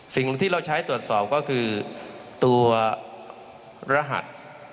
สิ่งที่เราใช้ตรวจสอบก็คือตัวรหัส